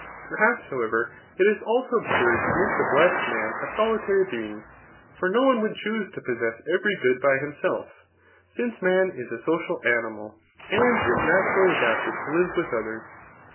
Perhaps, however, it is also absurd to make the blessed man a solitary being ; for no one would' choose Digitized by Google to possess every good by himself; dnce man is a social animal, .and is naturally adapted to live vdth others.